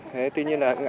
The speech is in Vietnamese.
thế tuy nhiên là